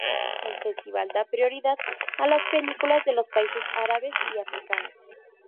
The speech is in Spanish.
El festival da prioridad a las películas de los países árabes y africanos.